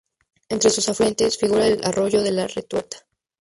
Entre sus afluentes figura el arroyo de La Retuerta.